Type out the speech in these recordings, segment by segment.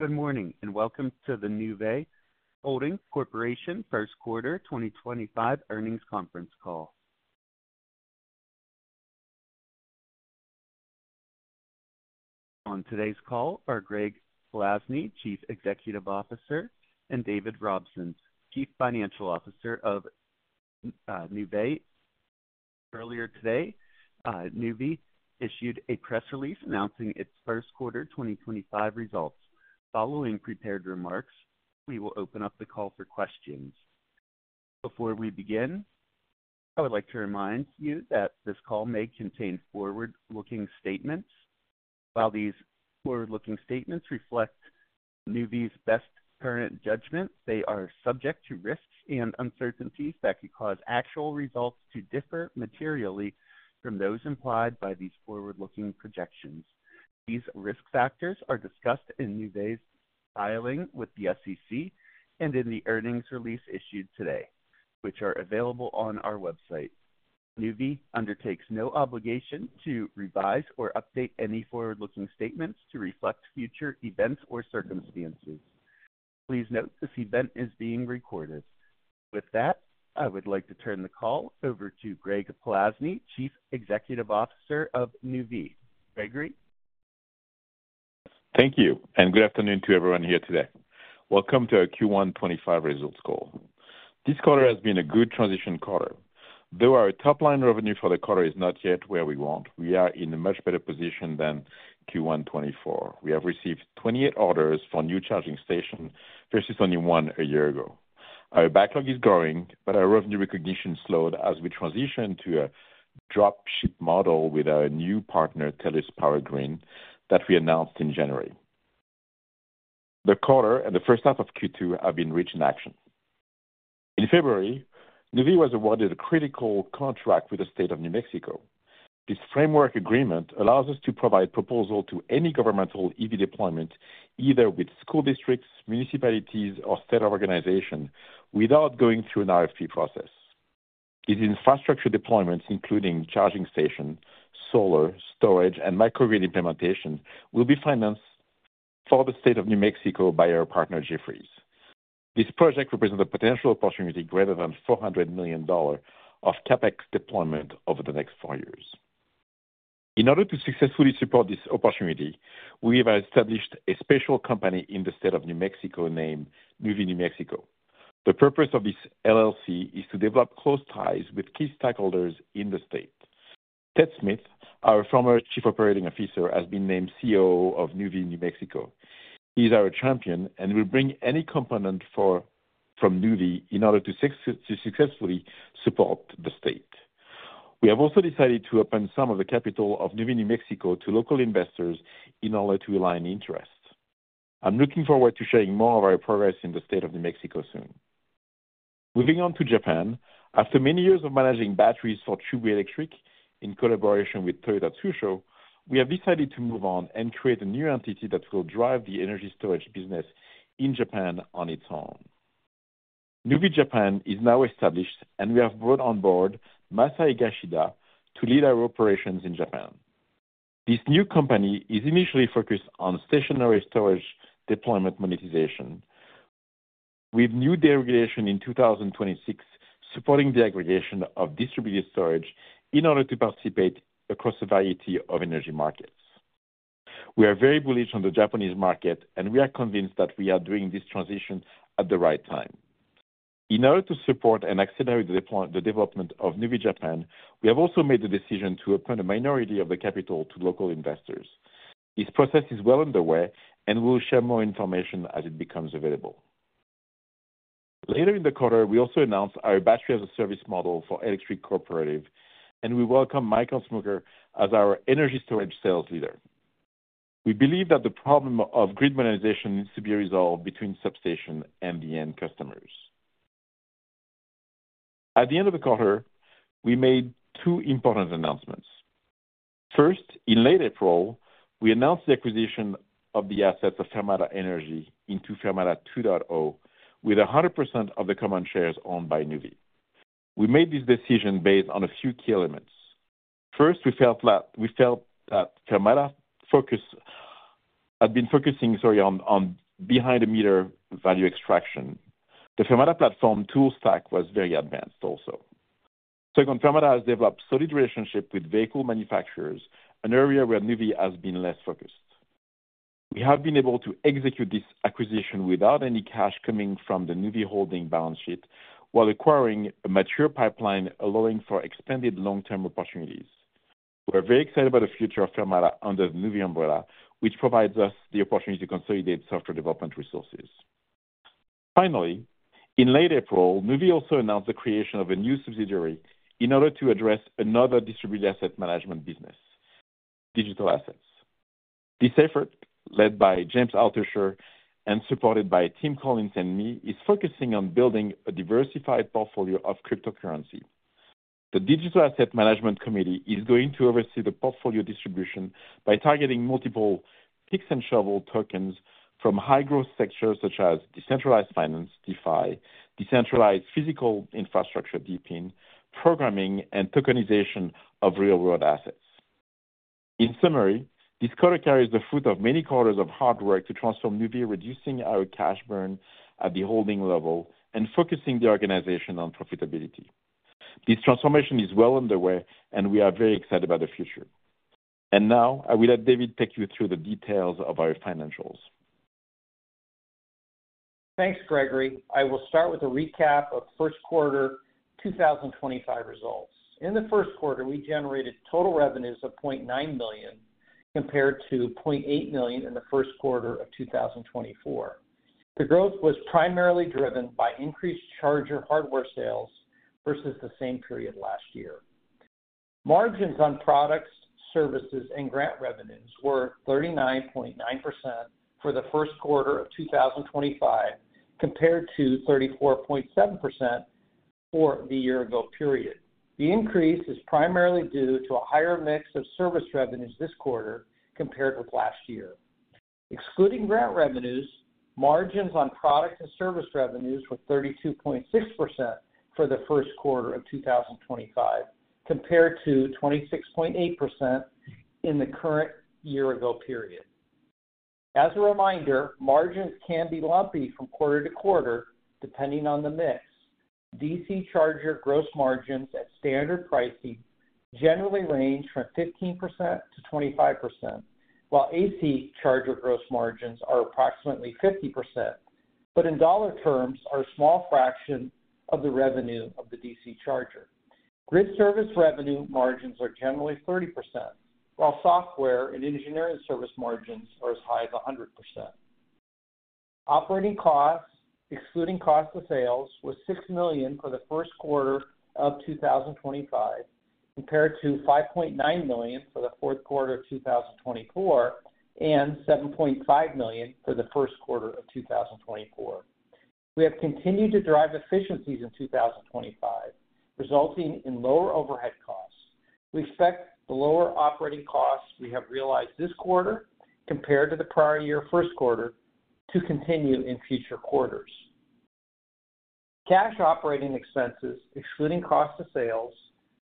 Good morning and welcome to the Nuvve Holding Corporation First Quarter 2025 Earnings Conference Call. On today's call are Greg Poilasne, Chief Executive Officer, and David Robson, Chief Financial Officer of Nuvve. Earlier today, Nuvve issued a press release announcing its First Quarter 2025 results. Following prepared remarks, we will open up the call for questions. Before we begin, I would like to remind you that this call may contain forward-looking statements. While these forward-looking statements reflect Nuvve's best current judgment, they are subject to risks and uncertainties that could cause actual results to differ materially from those implied by these forward-looking projections. These risk factors are discussed in Nuvve's filing with the SEC and in the earnings release issued today, which are available on our website. Nuvve undertakes no obligation to revise or update any forward-looking statements to reflect future events or circumstances. Please note this event is being recorded. With that, I would like to turn the call over to Greg Poilasne, Chief Executive Officer of Nuvve. Gregory? Thank you, and good afternoon to everyone here today. Welcome to our Q1 2025 results call. This quarter has been a good transition quarter. Though our top-line revenue for the quarter is not yet where we want, we are in a much better position than Q1 2024. We have received 28 orders for new charging stations versus only one a year ago. Our backlog is growing, but our revenue recognition slowed as we transitioned to a dropship model with our new partner, Tellus Power Green, that we announced in January. The quarter and the first half of Q2 have been rich in action. In February, Nuvve was awarded a critical contract with the State of New Mexico. This framework agreement allows us to provide proposals to any governmental EV deployment, either with school districts, municipalities, or state organizations, without going through an RFP process. These infrastructure deployments, including charging stations, solar storage, and microgrid implementation, will be financed for the State of New Mexico by our partner, Jefferies. This project represents a potential opportunity greater than $400 million of CapEx deployment over the next four years. In order to successfully support this opportunity, we have established a special company in the State of New Mexico named Nuvve New Mexico. The purpose of this LLC is to develop close ties with key stakeholders in the state. Ted Smith, our former Chief Operating Officer, has been named COO of Nuvve New Mexico. He is our champion and will bring any component from Nuvve in order to successfully support the state. We have also decided to open some of the capital of Nuvve New Mexico to local investors in order to align interests. I'm looking forward to sharing more of our progress in the State of New Mexico soon. Moving on to Japan, after many years of managing batteries for Chubu Electric in collaboration with Toyota Tsusho, we have decided to move on and create a new entity that will drive the energy storage business in Japan on its own. Nuvve Japan is now established, and we have brought on board Masa Higashida to lead our operations in Japan. This new company is initially focused on stationary storage deployment monetization, with new deregulation in 2026 supporting the aggregation of distributed storage in order to participate across a variety of energy markets. We are very bullish on the Japanese market, and we are convinced that we are doing this transition at the right time. In order to support and accelerate the development of Nuvve Japan, we have also made the decision to open a minority of the capital to local investors. This process is well underway, and we will share more information as it becomes available. Later in the quarter, we also announced our battery-as-a-service model for Electric Cooperative, and we welcome Michael Smucker as our energy storage sales leader. We believe that the problem of grid modernization needs to be resolved between substation and the end customers. At the end of the quarter, we made two important announcements. First, in late April, we announced the acquisition of the assets of Fermata Energy into Fermata 2.0 with 100% of the common shares owned by Nuvve. We made this decision based on a few key elements. First, we felt that Fermata had been focusing on behind-the-meter value extraction. The Fermata platform tool stack was very advanced also. Second, Fermata has developed a solid relationship with vehicle manufacturers, an area where Nuvve has been less focused. We have been able to execute this acquisition without any cash coming from the Nuvve Holding balance sheet while acquiring a mature pipeline allowing for expanded long-term opportunities. We are very excited about the future of Fermata under the Nuvve umbrella, which provides us the opportunity to consolidate software development resources. Finally, in late April, Nuvve also announced the creation of a new subsidiary in order to address another distributed asset management business: digital assets. This effort, led by James Altucher and supported by Tim Collins and me, is focusing on building a diversified portfolio of cryptocurrency. The Digital Asset Management Committee is going to oversee the portfolio distribution by targeting multiple picks-and-shovel tokens from high-growth sectors such as decentralized finance (DeFi), decentralized physical infrastructure (DePIN), programming, and tokenization of real-world assets. In summary, this quarter carries the fruit of many quarters of hard work to transform Nuvve, reducing our cash burn at the holding level and focusing the organization on profitability. This transformation is well underway, and we are very excited about the future. I will let David take you through the details of our financials. Thanks, Gregory. I will start with a recap of First Quarter 2025 results. In the first quarter, we generated total revenues of $0.9 million compared to $0.8 million in the first quarter of 2024. The growth was primarily driven by increased charger hardware sales versus the same period last year. Margins on products, services, and grant revenues were 39.9% for the first quarter of 2025 compared to 34.7% for the year-ago period. The increase is primarily due to a higher mix of service revenues this quarter compared with last year. Excluding grant revenues, margins on product and service revenues were 32.6% for the first quarter of 2025 compared to 26.8% in the year-ago period. As a reminder, margins can be lumpy from quarter to quarter depending on the mix. DC charger gross margins at standard pricing generally range from 15%-25%, while AC charger gross margins are approximately 50%, but in dollar terms, are a small fraction of the revenue of the DC charger. Grid service revenue margins are generally 30%, while software and engineering service margins are as high as 100%. Operating costs, excluding cost of sales, were $6 million for the first quarter of 2025 compared to $5.9 million for the fourth quarter of 2024 and $7.5 million for the first quarter of 2024. We have continued to drive efficiencies in 2025, resulting in lower overhead costs. We expect the lower operating costs we have realized this quarter compared to the prior year's first quarter to continue in future quarters. Cash operating expenses, excluding cost of sales,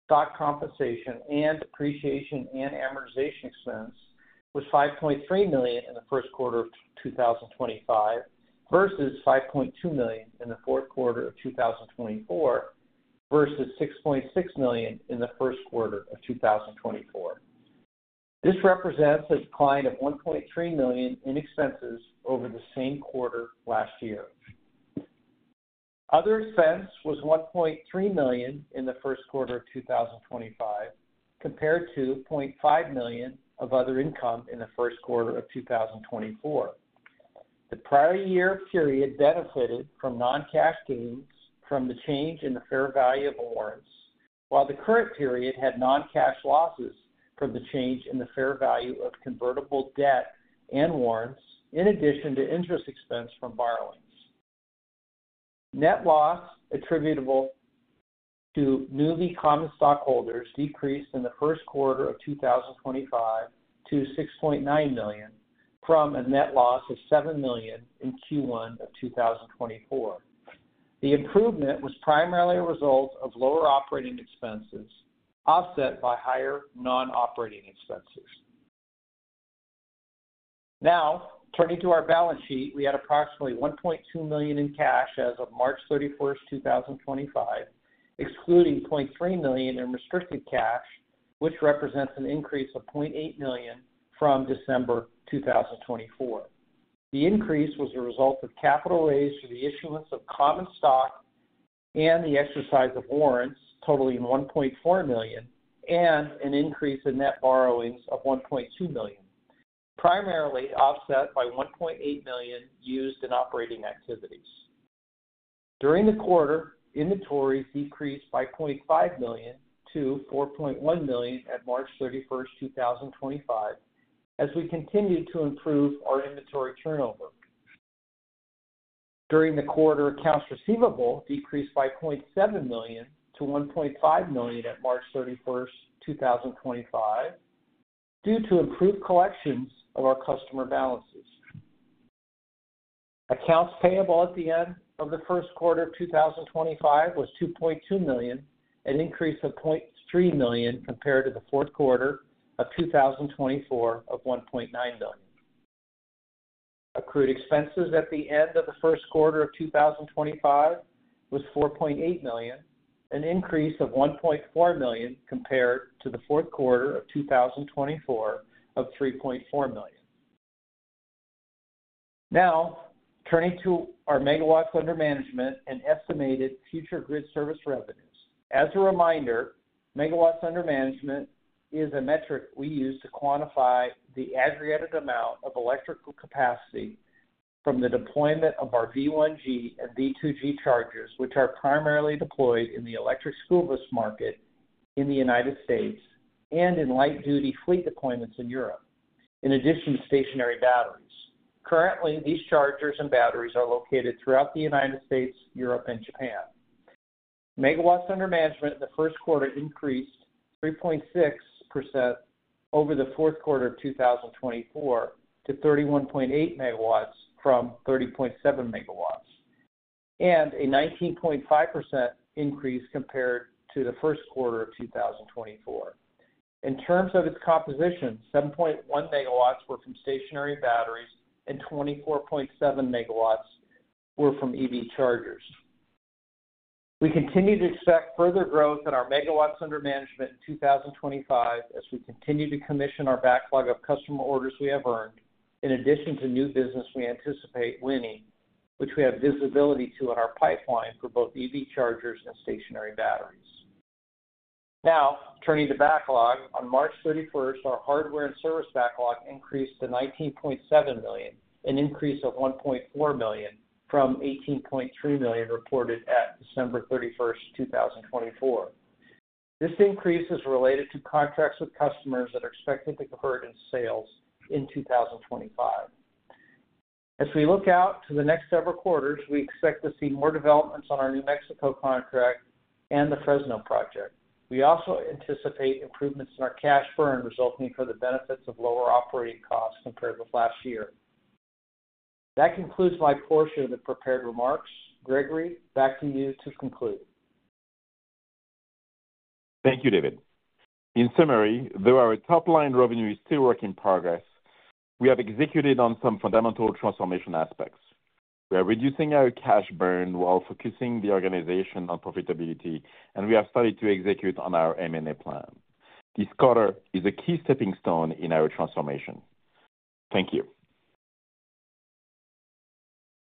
stock compensation, and depreciation and amortization expense, were $5.3 million in the first quarter of 2025 versus $5.2 million in the fourth quarter of 2024 versus $6.6 million in the first quarter of 2024. This represents a decline of $1.3 million in expenses over the same quarter last year. Other expense was $1.3 million in the first quarter of 2025 compared to $0.5 million of other income in the first quarter of 2024. The prior year period benefited from non-cash gains from the change in the fair value of warrants, while the current period had non-cash losses from the change in the fair value of convertible debt and warrants, in addition to interest expense from borrowings. Net loss attributable to Nuvve common stockholders decreased in the first quarter of 2025 to $6.9 million from a net loss of $7 million in Q1 of 2024. The improvement was primarily a result of lower operating expenses offset by higher non-operating expenses. Now, turning to our balance sheet, we had approximately $1.2 million in cash as of March 31st, 2025, excluding $0.3 million in restricted cash, which represents an increase of $0.8 million from December 2024. The increase was a result of capital raised through the issuance of common stock and the exercise of warrants, totaling $1.4 million, and an increase in net borrowings of $1.2 million, primarily offset by $1.8 million used in operating activities. During the quarter, inventories decreased by $0.5 million to $4.1 million at March 31st, 2025, as we continued to improve our inventory turnover. During the quarter, accounts receivable decreased by $0.7 million to $1.5 million at March 31, 2025, due to improved collections of our customer balances. Accounts payable at the end of the first quarter of 2025 was $2.2 million, an increase of $0.3 million compared to the fourth quarter of 2024 of $1.9 million. Accrued expenses at the end of the first quarter of 2025 was $4.8 million, an increase of $1.4 million compared to the fourth quarter of 2024 of $3.4 million. Now, turning to our megawatts under management and estimated future grid service revenues. As a reminder, megawatts under management is a metric we use to quantify the aggregated amount of electrical capacity from the deployment of our V1G and V2G chargers, which are primarily deployed in the electric school bus market in the United States and in light-duty fleet deployments in Europe, in addition to stationary batteries. Currently, these chargers and batteries are located throughout the United States, Europe, and Japan. Megawatts under management in the first quarter increased 3.6% over the fourth quarter of 2024 to 31.8 MW from 30.7 MW, and a 19.5% increase compared to the first quarter of 2024. In terms of its composition, 7.1 MW were from stationary batteries, and 24.7 MW were from EV chargers. We continue to expect further growth in our megawatts under management in 2025 as we continue to commission our backlog of customer orders we have earned, in addition to new business we anticipate winning, which we have visibility to in our pipeline for both EV chargers and stationary batteries. Now, turning to backlog, on March 31st, our hardware and service backlog increased to $19.7 million, an increase of $1.4 million from $18.3 million reported at December 31st, 2024. This increase is related to contracts with customers that are expected to convert in sales in 2025. As we look out to the next several quarters, we expect to see more developments on our New Mexico contract and the Fresno project. We also anticipate improvements in our cash burn resulting from the benefits of lower operating costs compared with last year. That concludes my portion of the prepared remarks. Gregory, back to you to conclude. Thank you, David. In summary, though our top-line revenue is still work in progress, we have executed on some fundamental transformation aspects. We are reducing our cash burn while focusing the organization on profitability, and we have started to execute on our M&A plan. This quarter is a key stepping stone in our transformation. Thank you.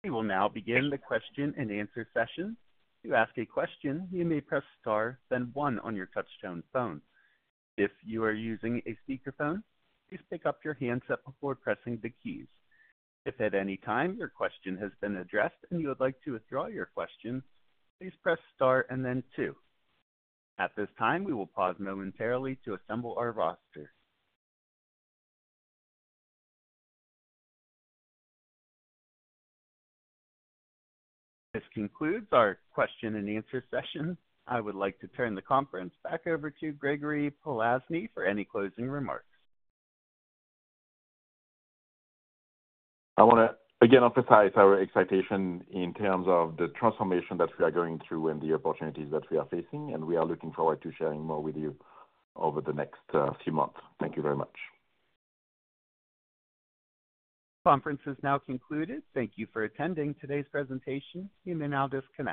We will now begin the question-and-answer session. To ask a question, you may press star, then one on your touch-tone phone. If you are using a speakerphone, please pick up your handset before pressing the keys. If at any time your question has been addressed and you would like to withdraw your question, please press star and then two. At this time, we will pause momentarily to assemble our roster. This concludes our question-and-answer session. I would like to turn the conference back over to Gregory Poilasne for any closing remarks. I want to again emphasize our excitement in terms of the transformation that we are going through and the opportunities that we are facing, and we are looking forward to sharing more with you over the next few months. Thank you very much. Conference has now concluded. Thank you for attending today's presentation. You may now disconnect.